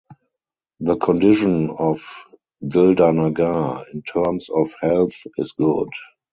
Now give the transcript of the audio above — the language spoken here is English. The condition of Dildarnagar in terms of health is good.